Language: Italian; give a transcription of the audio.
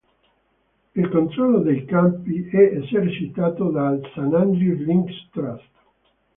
Il controllo dei campi è esercitato dal "St Andrews Links Trust".